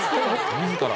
自ら。